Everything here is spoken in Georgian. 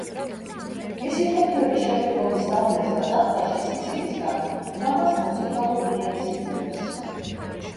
მისი ფოთლები შემოდგომის დამლევს და ზამთარში სიცივისაგან ლამაზ მოწითალო იერს იღებს.